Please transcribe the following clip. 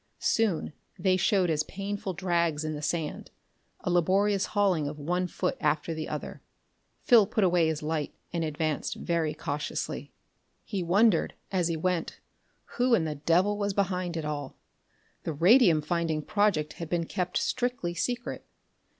Soon they showed as painful drags in the sand, a laborious hauling of one foot after the other.... Phil put away his light and advanced very cautiously. He wondered, as he went, who in the devil was behind it all. The radium finding project had been kept strictly secret.